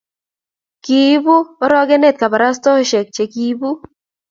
kiibu orokenet kabarastaosiek che kiibu